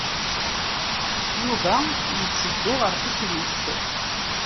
Yuba yetteddu ɣer teklizt?